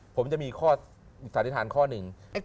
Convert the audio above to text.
ผมจะมีสาธิฐานข้อหนึ่ง